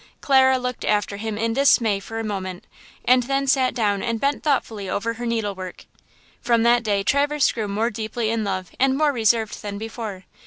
Clara looked after him in dismay for a moment, and then sat down and bent thoughtfully over her needlework From that day Traverse grew more deeply in love and more reserved than before.